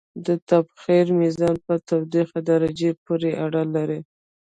د تبخیر میزان په تودوخې درجې پورې اړه لري.